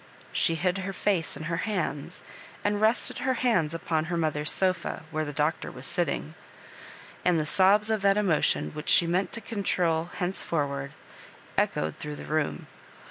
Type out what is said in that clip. She hid her face in her hands, and rested her hands upon her mo ther's sofa, where the Doctor was sitting ; and the sobs of that emotion which she meant to con trol henceforward, echoed through the room.